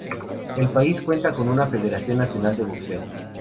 El país cuenta con una federación nacional de boxeo.